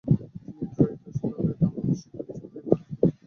তিনি ত্রয়োদশ দলাই লামার শিক্ষক হিসেবে দায়িত্ব লাভ করেন।